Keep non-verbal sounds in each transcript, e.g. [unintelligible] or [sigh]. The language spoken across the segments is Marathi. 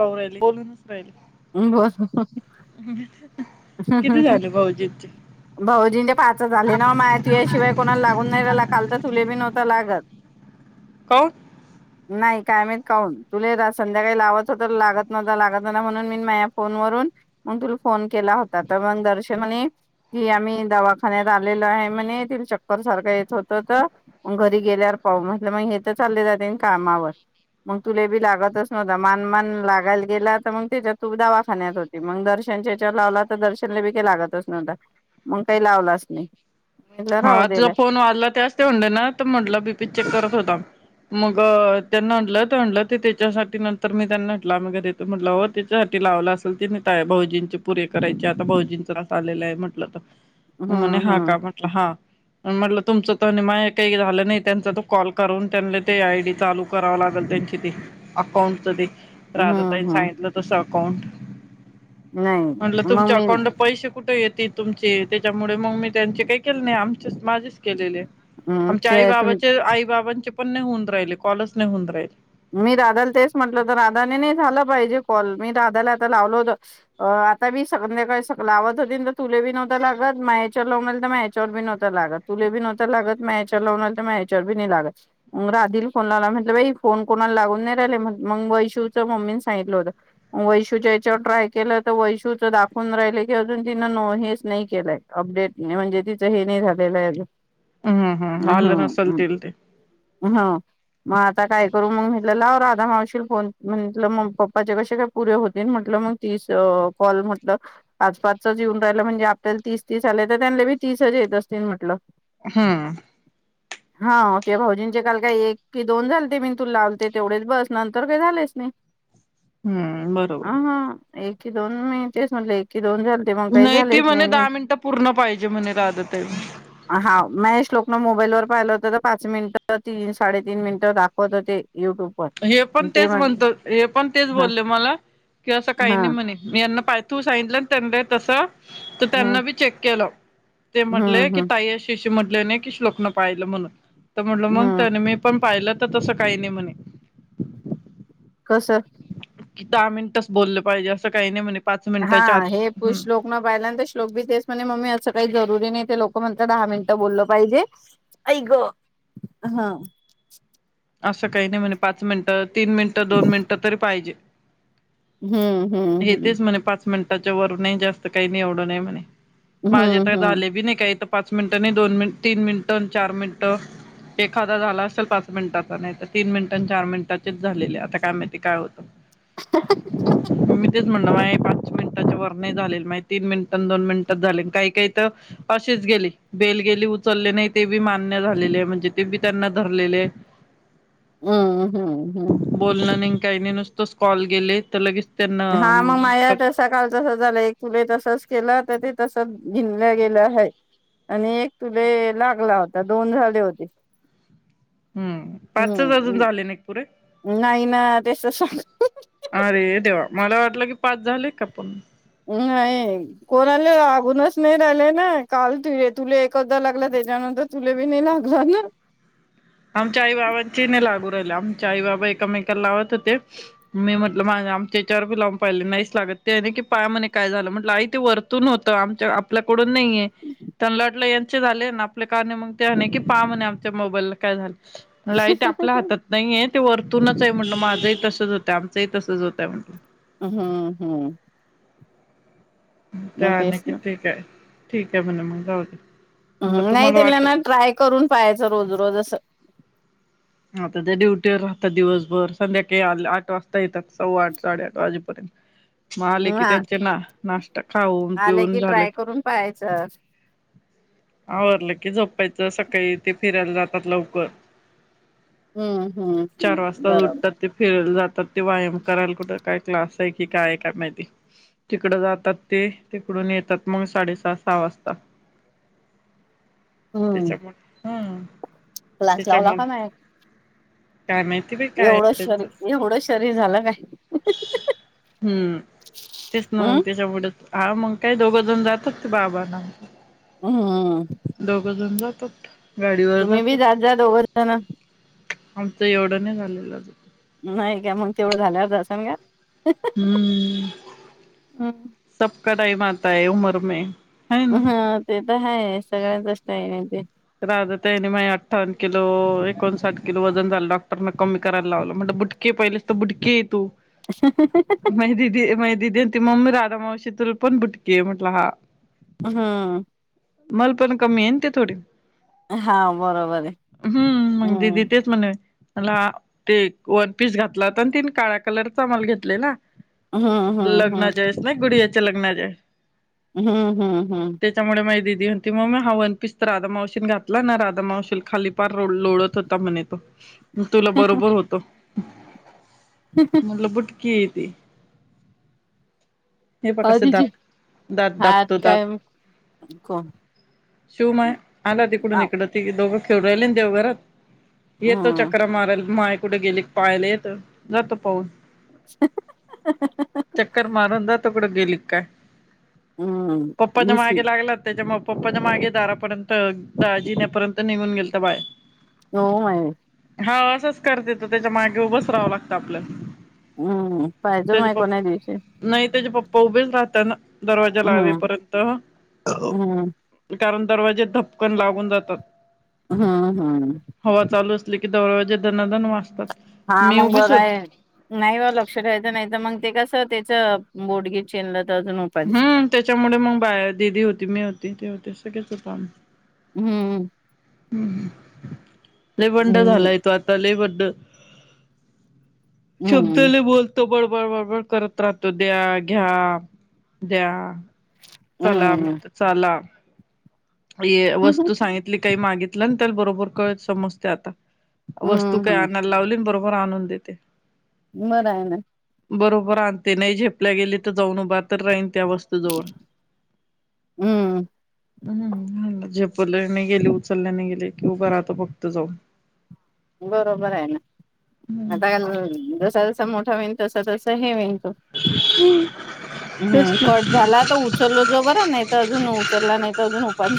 राहिल बोलूनच राहिल. बर बर. [inaudible] ह किती ह झाले भाऊजींचे भाऊजीच पाचच झाले ना माया तुझ्या शिवाय कोणाला लागून नाही खल तुले बी नवता लागत. को. [inaudible] नाही कायमत काून तुला संध्याकाळी लावत होत लागत न्हता लागत ना म्हणून मी माझ्या फोनवरून. मग तुला फोन केला होता तर मग दर्शन म्हणे कि आम्ही दवाखान्यात आलेलो आहे म्हणे त चक्कर सारखं येत होत तर. मग घरी गेल्यावर पाह म्हटलं मग हे तर चालले जाते कामावर मग तुला बी लागतच नव्हत मानमान लागायला गेला तर मग त्याच्यात तूप दवाखान्यात होती मग दर्शनच्या लावला तर दर्शनने बी काही लागतच नव्हता मग काही लावलाच नाही म्हटलं हा राहू तुझा दिलं फोन वाजला त्यावेळेस ते म्हटले ना तर म्हटलं बीपी चेक करत होता मग त्यांना म्हटलं ते म्हलं ते त्याच्यासाठी नंतर मी त्यांना म्हटलं आमी काय देत त म्हटलं हो तिच्यासाठी लावला असेल त मी त भाऊजींचे पुरे करायचे आता भाऊजीचा रास आलेला आहे म्हटलं तर म मने हम्म हा का हम्म म्हटलं हा म्हटलं तुमचं त माय काही झालं नाही त्यांचा त कॉल करून त्यांना ते आय डी चालू कराव लागल त्यांची ते अकाउंटच ते राधा ताईनी हम्म हम्म सांगितलं तसं अकाउंट नाही म्हटलं मग तुमच्या मी अकाउंटला पैसे कुठे येते तुमची त्याच्यामुळे मग मी त्यांचे काही केले नाही आमचेच माझेच केलेले आमच्या आई तुम बाबाचे आई बाबांचे पण नाही होऊन राहिले कॉल च नाही होऊन राहिले मी राधाला तेच म्हटलं होत राधाने नाही झालं पाहिजे कॉल मी राधाला आता लावल होत अ आता मी संध्याकाळी स लावत होती तर तुले बी नव्हता लागत म मा्याच्यावर लावन तर मा्याच्यावर बी नव्हतं लागत. तुले बी नवता लागत माय च्या लावून आला तर मायचावर बी नाही लागत राधील फोन लावला आणि म्हटलं बाई कोण कोणाला लागून नाही राहिले मग मग वैशू च मम्मी सांगितलं होतं वैशूच्या याच्यावर ट्राय केलं तर वैशूच दाखवून राहिले की अजून तिनं न हेच नाही केलंय अपडेट म्हणजे तिचं हे नाही झालेलं आहे अजुन हम्म हम्म ् आलं नसल हम् तील ते ह मग आता काय करू मग म्ह राधा मावशील फोन म्हटलं पप्पाचे कसे काय पुरे होतील म्हटलं मग तीस कॉल म्हटलं आज पाच येऊन राहिलं म्हणजे आपल्याला तीस तीस आले तर त्यांना बी तीसच येत अस तन म्हटलं हा हा हो ते भाऊजींचे काल काय एक की दोन झालते तू लावलते तेवढेच बस नंतर काही झालेच नाही हम्म बरोबर. अ ह एकी दोन मी तेच म्हटले एकी दोन झाले नाही ती म्हणे दहा मिनिटं पूर्ण पाहिजे म्हणे राधताईम हा मश लोकनं मोबाईल वर पाहिलं होत तर पाच मिनिटं तीन साडेतीन मिनिटं दाखव प ते युट्यूब वर. हे पण ते तेच म्हण म्हणत हे पण तेच हा बोलले मला की असं काही हा नाही म्हने मी यांना पायथू सांगितलं त्यां तस तर हम्म. त्यांना बी चेक केलं ते म्हटले हम्म हम्म की ताई अशी अशी म्हटले नाही की श्लोक न पाहिलं म्हणून तर म्हटलं मग हम्म त्याने मी पण पाहिलं तर तसं काही नाही म्हणे कसं की दहा मिनिटच बोललं पाहिजे असं काही नाही म्हणे पाच मिनिटाच्या आत मग पाहिल्या नंतर तर श्लोक बी तेस म्हणे मम्मी असं काही जरुरी नाही ते लोक म्हणलं दहा मिनिटं बोललं पाहिजे आई ग हा असं काही नाही म्हणे पाच मिनिटं तीन मिनिटं दोन मिनिटं तरी पाहिजे हम्म हम्म हे हम्म तेच म्हणे पाच मिनिटाच्या वर नाही जास्त काही नि एवडं नाही म्हणे हम्म माझेता हम्म झाले बी नाही काही इथ पाच मिनिटं नाही दोन मिनट तीन मिनिटं चार मिनिटं एखादा झाला असेल पाच मिनिटाचा नाही तर तीन मिनिट आणि चार मिनिटाचेच झालेले आता काय माहिती काय होतं [unintelligible] मी तेच म्हणणार मा पाच मिनिटांच्या वर नाही झाले मा तीन मिनिट दोन मिनिटात झाले काही काही तर असेच गेली बेल गेली उचलले नाही ते बी मान्य झालेले आहे म्हणजे ते बी त्यांना धरलेले आहे [unintelligible] हम्मम हम्म हम्म बोलण नाही काही नाही नुसतोच कॉल गेले तर लगेच त्यांना हा मग माझ्या कट तर सकाळ तस झालं एक फुले तसच केलं तर ते तस गिणल्या गेलं आहे आणि एक तुले लागला होता दोन झाले होते हम्म पाचच अजून झाले नाही पुरे हम्मम् नाही ना त्याचांग अरे देव मला वाटलं की पाच झाले का पण हम्. कोणाले अगूनच नाही राहिले ना काल तु तुला एकदा लागला त्याच्यानंतर जुलेबी नाही लागला ना. आमच्या आई बाबांची नाही लागू राहिला आमच्या आई बाबा एककामेकला लावत होते. मी म्हटलं माझ आमच्या चार फि लाून पाहिले नाहीच लागत ते आहे ना की पाया काय झालं म्हटलं आई ते वर होतं आमच्या आपल्याकडून नाहीये त्यां लटलं यांचे झाले ना आपल्या कारने मग ते नाही की पामणे आमच्या मोबाईलला काय झा आपल्या हातात नाहीय ते वरतूनच आहे म्हंटलं माझंही तसच होतं आमचंही तसच होतंय म्हट. हम्म हम्. मग त्यार नाही तेच ना किथे काय ठीक आहे मण मगलावते. ह् नाही त्यांना ना ट्राय करून पाहायचं रोज ररोज असं हा तर ते ड्युटीवर राहतात दिवसभर संध्याकाळी आठ वाजता येतात सव्वा आठ साडेआठ वाजेपर्यंत [unintelligible] म आले की हा त्यांचे ना नाश्ता खाऊन आले पिऊन की झाले. ट्राय करून पाहायचं आवडलं की झोपायचं सकाळी ते फिरायला जातात लवकर हम्म हम्म. हम्म चार वाजता बरोबर उरतात. ते फिरयला जातात ते व्यायाम करायला कुठं काय क्लास आहे की काय काय माहिती तिकड जातात ते तिकडून येतात मग साडेसहा सहा वाजता हम्म त्याच्या प क्लास लावला का माॅ. कायमेट एवढं शरी एवढं शरीर झालं काय? हम्म तेच ना हम्म मग त्याच्या पुढंच. ह मग काही दोघं जण जातात ते बाबाांना हमम. दोघं जण जातात गाडीवर तुम्ही बी जातात. जात जा दोघं जण आमच एवढं नाही झालेलं. नाही का मग तेवढं झाल्यावरचसन का हम्. सब का टाइम आता ह उमर मे हा ते तर आहेाय सगळ्यांचच्टाई ते राह त्यानी अठ्ठवनिलोणसाठिलो वजन झालं डॉक्टरन कमी करायला लावलं म्हणट बुट के पाहिलेस तर बुडके तू अ. मा दिदी मा दिदी आणि ती मम्मी राधा मावशी तुला पण बुटकी आहे म्हटला हा. हा. मल पण कमी आहे ते थोडी हा बरोबर आहे. हम्म मग दिदी हम्म तेच म्हणावे. मला ते वन पीस घातलाता तीन काळा्या कलरचामला घेतलेला. हम्म हम्म हम्म लगना जायस नाही गुडयाच्या लगना जाय. हम्म हम्म हम्म. त्याच्यामुळे माझ दिदीती मग हा वन पीस तर रा मा. घातला ना राधा मशील खाली पार लोळत होता म्हणे तो तुला बरोबर होतो. [unintelligible] ह. मल भुटकी त. हे प्रकाचे अधीची दात दात हात दाबतो दात. काय कोण शिव मय आला तिकडून आव इकडं त दोघं खेळू राहिले ना देवघरात येतो हम्म चक्र मारायला माय कुठे गेली पाहायला येत जातो पाहून ह चक्कर मारूना तोकड अे लिकाय हम्म पप्पाच्या दिसली मागे लागलात त्याच्या मग पप्पाच्या मागे दारापर्यंत- दा जिण्यापर्यंत निघून गेल तर बाय- हो माय हा असंच करते तो त्याच्या मागे उभस रावं लागतं आपलं हम्म पाहिजे माय कोणा या दिवशी नाही त्याचे पप्पा उभेच राहतात दरवाजा हम्म लावेपर्यंत हम्म कारण दरवाजे धपकन लागून जातात. हम हम हवा चालू असली की दौराजे धनदन वाचतात. हा मग बर आहे. नाही बा लक्ष ठेयचं नाही तर मग ते कसं त्याचं बोडगी चेनलं तर अजून उपाधीच हम्म त्याच्यामुळे मग बा दिदी होती मी होती ते होते सगळेच होतो आम हम्म ह् लेबंड मुंगी झालाय तो आता लेबंड- हम्म चबधले बोल तो बळबळ बळबळ करत राहतो द्या घ्या द्या. चला म हम्म चला ये हम्म हम्म वस्तू सांगित काही मागितलं त्या बरोबर कळ समजते, आता वस्तू काही हम्म आणायला लावली बर- वर आणून देते. बरं आहे ना. बरोबर आणते नाही झेपल्या गेली तर जाऊन उभा तर राहीन त्या वस्तूजवळ. हम्म हम्म झेपल्याने गेले उचलल्याने गेले कि उभा राहतो फक्त जाऊन. बरोबर आहे ना हम्म आता का जसा जसा मोठा विनतोसा तसा हे विनतो. हम्म हम् कट झाला तर उचलो जो बर नाही तर अजून उचलला नाही तर अजून उपाध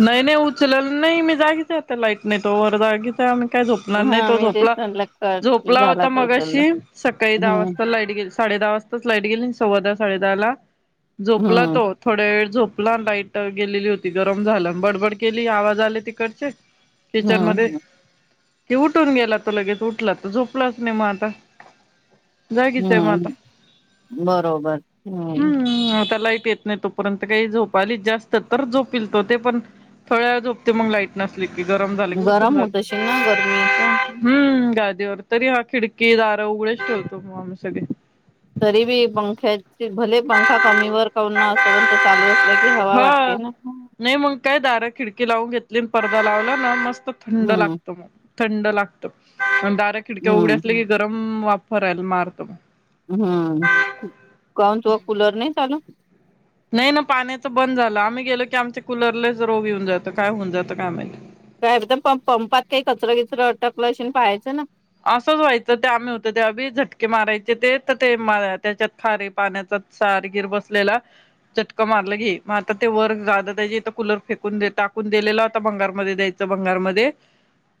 नाही नाही उचललं नाही मी जागीचत लाईट नाही तो वर जागीच आहे आम का झोपणार नाही, हा तो मी तेच झोपला म्हटलं कट झोपला झाला होता, तर उचललं मगाशी सकाळी दहा हम्म वाजता लाईट- साडे दहा वाजताच लाईट गेली, सव्वादा साडे दहा ला जोपला हम्म तो. थोड्या वेळ झोपला लाईट गेलेली होती, गरम झालं बडबड केली, आवाज आले तिकडचे [unintelligible] पिचर मधे की उठून गेला तो लगेच, उठला त झोपलाच नाही मग आता जा म हम्म हम्म आता लाईट येत नाही तुप परंत काही झोप आली जास्त तर झोपील तो, ते पण थोड्या व झोपते मग लाईट नसली की गरम झाले, की उठून गरम होत झाले अशील ना गरमीच हम्म गादीवर तरी हा खिडकी दारं उघडच ठेवतो, मग आम्ही सगळे. तरी बी पंख्याचे भले पंखा कमी वर का ना असं, पण तर चालू असलं की हवा वाटते हा ना. नाही मग काय दार खिडकी लावून घेतली, परदा लावला ना मस्त थंड हम्म लागत मग. थंड लागत दारा खिडक्या हम्म उघड्या असल्या की गरम वाफर मारत. हम्म. काण तु कुलर नाही चालू? नाही ना पाण्याच बंद झालं आम्ही गेलो, की आमच्या कुलरलेच रोग येऊन जातं, काय होऊन जातं काय माहित. काबदम पं पंपात काही कचरा किचरा अटकलं असल पाहायचं ना. असंच व्हायचं ते आम्ही होत, ते आभी झटके मारायचे ते तर ते त्याच्यात खारे पाण्याच सारगीर बसलेला. चटकं मारलं गे मग आता ते वर जाधा द्यायचेे तर कुलर फेकून टाकून दिलेला होता, भंगारमध्ये द्यायच. बंगालमध्ये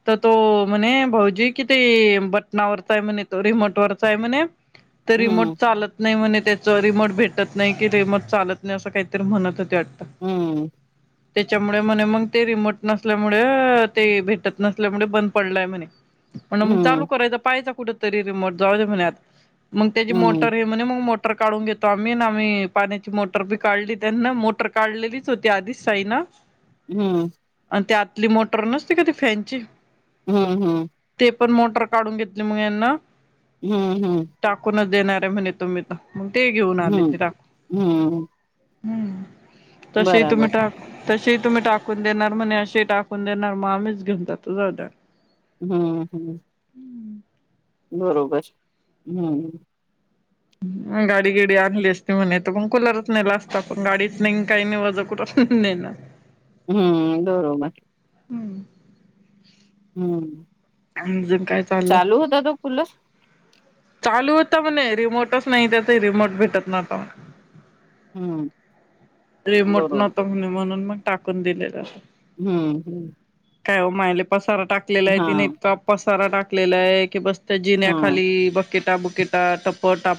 तर तो म्हणे भौजिक. किती बटनावरचा आहे, म्हणे तो रिमोट वरचा आहे, म्हणे रिमोट हम्म चालत. नाही म्हणे त्याच रिमोट भेटत नाही, की रिमोट चालत. असं काहीतरी म्हणत होते वाटत. हम्म त्याच्यामुळे म्हणे मग ते रिमोट नसल्यामुळे ते भेटत नसल्यामुळे बंद पडलाय म्हणे. म्हण मग चालू हम्म करायचा, पाहायचा कुठ तरी रिमोट जाऊ म्हणत मग त्याची मोटर. म्ह मग मोटर काढून घेतो, आम्ही आम्ही पाण्याची मोटर बी काढली त्यां मोटर. काढलेलीच होती आधीच साई ना. हम्म. आणि त्या आतली मोटर नसते काधी फॅनची. हम्म हम्. ते पण मोटर काढून घेतले मग यांना. हम्म हम्म. टाकूनच देणार आहे म्हणे तुम्ीही तर मग ते घेऊन आले ते हम्म टाकून. हम्म हम्म तशी तुम्ही बराबर टा तसे तुम्ही टाकून देणार म्हणे अशी टाकून देणार मा आम्हीच घेनताात तो जाउद्या. हम्म हम्म. हम्म. बरोबर हम्म. गाडी गिडी आणली असती म्हणेेत पण कुलरच नाही ला असता पण गाडीच नाही काही नाही वज कु नाही ना. हम्म दौरो म हम्म. हमं. आणि ज काय. चालू होता तो फुल. चालू होता म्हणे रिमोटच नाही, त्या ते रिमोट भेटत न्हता. हम्म. रिमोट बरोबर नव्हतणे म्हणून मग टाकून दिलेलं. हम्म हम्म. काय हो मायले पसारा टाकलेला आहे हा तिने इतका पसारा टाकलेला आहे की बस. तर हा जिण्या्याखाली बकेटा बुकेटा टपर टाप.